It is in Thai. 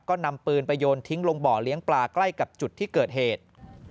ก็นำปืนไปโยนทิ้งลงบ่อเลี้ยงปลาใกล้กับจุดที่เกิดเหตุ